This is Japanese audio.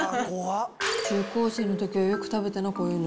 中高生のときは、よく食べたな、こういうの。